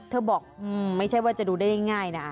บอกไม่ใช่ว่าจะดูได้ง่ายนะ